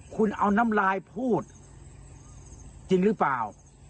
คุณเอาน้ำลายพูดจริงหรือเปล่า